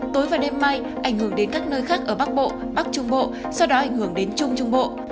tối và đêm mai ảnh hưởng đến các nơi khác ở bắc bộ bắc trung bộ sau đó ảnh hưởng đến trung trung bộ